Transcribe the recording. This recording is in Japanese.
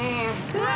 うわ！